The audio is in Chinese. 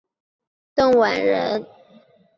邓琬人。